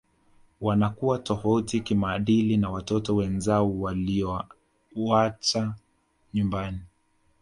Wanakuwa tofauti kimaadili na watoto wenzao waliowaacha nyumbani